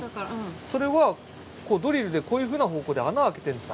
それはドリルでこういうふうな方向で穴開けてるんです